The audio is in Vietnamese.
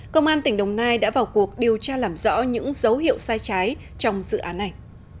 công an tỉnh đồng nai đã vào cuộc điều tra làm rõ những dấu hiệu sai trái trong dự án này